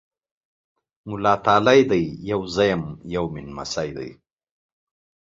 مولا تالی دی! يو زه یم، یو مې نمسی دی۔